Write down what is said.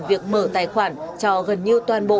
việc mở tài khoản cho gần như toàn bộ